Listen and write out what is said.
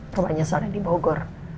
rumahnya selalu dibogor